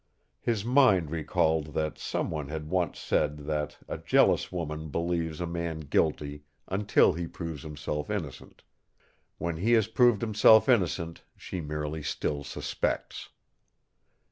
His mind recalled that some one had once said that a jealous woman believes a man guilty until he proves himself innocent; when he has proved himself innocent she merely still suspects.